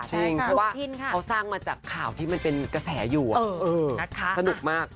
เพราะว่าเขาสร้างมาจากข่าวที่มันเป็นกระแสอยู่สนุกมาก